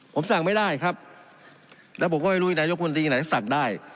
ผมสั่งไม่ได้ครับแล้วผมก็ไม่รู้นายกมนตรีไหนสั่งได้